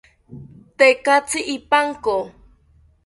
Tekatzi ipanko